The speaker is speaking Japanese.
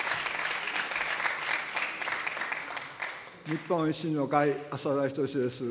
日本維新の会、浅田均です。